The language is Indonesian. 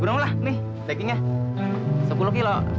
belum lah nih dagingnya sepuluh kilo